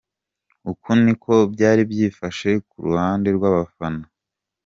Uku niko byari byifashe ku ruhande rw’abafana .